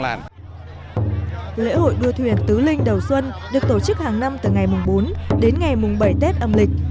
lễ hội đua thuyền tứ linh đầu xuân được tổ chức hàng năm từ ngày bốn đến ngày mùng bảy tết âm lịch